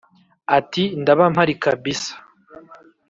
ati"ndaba mpari kabisa"